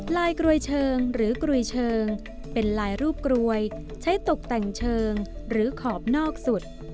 กรวยเชิงหรือกรวยเชิงเป็นลายรูปกรวยใช้ตกแต่งเชิงหรือขอบนอกสุด